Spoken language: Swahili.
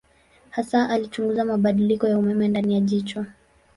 Hasa alichunguza mabadiliko ya umeme ndani ya jicho.